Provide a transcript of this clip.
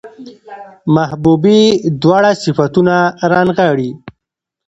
محبوبې دواړه صفتونه رانغاړي